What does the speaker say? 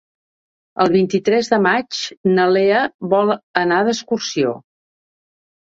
El vint-i-tres de maig na Lea vol anar d'excursió.